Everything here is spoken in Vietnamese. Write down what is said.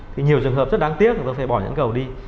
thì nhiều trường hợp rất đáng tiếc chúng ta phải bỏ những cầu đi